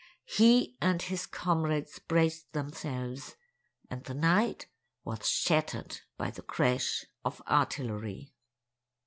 He and his comrades braced themselves—and the night was shattered by the crash of artillery.